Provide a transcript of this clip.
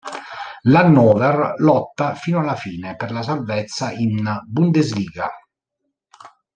L'Hannover lotta fino alla fine per la salvezza in Bundesliga.